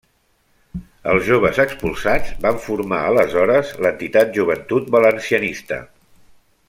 Els joves expulsats van formar aleshores l'entitat Joventut Valencianista.